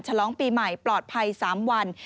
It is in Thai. ฉลองปีใหม่ปลอดภัย๓วัน